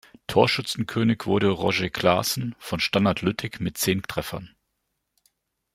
Torschützenkönig wurde Roger Claessen von Standard Lüttich mit zehn Treffern.